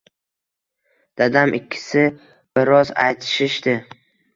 Dadam ikkisi biroz aytishishdi